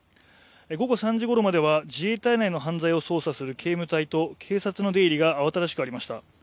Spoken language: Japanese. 午後３時ごろまでは自衛隊内の犯罪を捜査する警務隊と警察の出入りが慌ただしくありました。